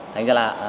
thành ra là